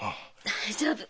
大丈夫。